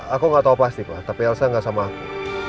aku nggak tahu pasti pak tapi elsa gak sama aku